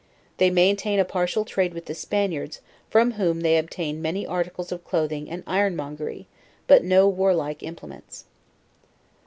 They maintain a partial trade with the Spaniards, from whom they obtain many articles of cloathing and ironmongery, but no warlike implements.